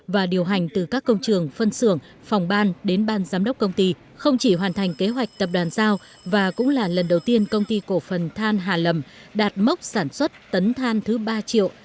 và điều hành từ các công trường phân xưởng phòng ban đến ban giám đốc công ty không chỉ hoàn thành kế hoạch tập đoàn giao và cũng là lần đầu tiên công ty cổ phần than hà lầm đạt mốc sản xuất tấn than thứ ba triệu